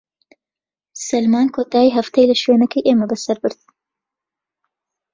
سەلمان کۆتاییی هەفتەی لە شوێنەکەی ئێمە بەسەر برد.